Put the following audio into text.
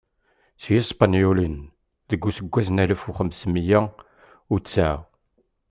S Yispenyulen deg useggas alef u xems mya u tesɛa.